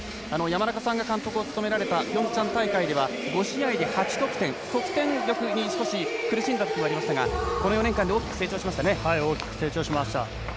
山中さんが監督を務められたピョンチャン大会では５試合で８得点、得点力に少し苦しんだときもありましたがこの４年間で大きく成長しました。